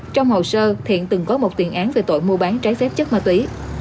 trong hồ sơ thiện từng có một tiền án về tội mua bán trái phép chất ma túy